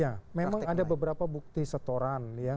ya memang ada beberapa bukti setoran ya